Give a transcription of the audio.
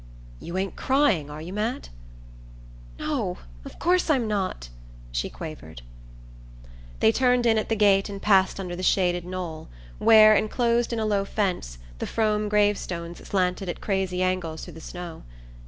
"You ain't crying are you, Matt?" "No, of course I'm not," she quavered. They turned in at the gate and passed under the shaded knoll where, enclosed in a low fence, the Frome grave stones slanted at crazy angles through the snow.